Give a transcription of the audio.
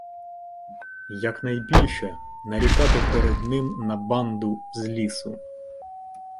якнайбільше нарікати перед ним на "банду" з лісу.